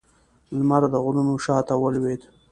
لمر د غرونو شا ته ولوېد